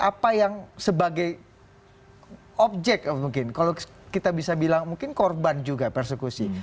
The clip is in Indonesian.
apa yang sebagai objek mungkin kalau kita bisa bilang mungkin korban juga persekusi